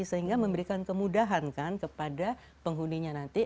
sehingga memberikan kemudahan kan kepada penghuninya nanti